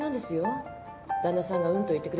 旦那さんが「うん」と言ってくれないことには。